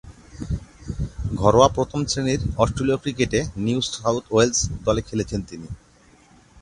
ঘরোয়া প্রথম-শ্রেণীর অস্ট্রেলীয় ক্রিকেটে নিউ সাউথ ওয়েলস দলে খেলেছেন তিনি।